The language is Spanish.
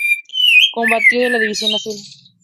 Combatió en la División Azul.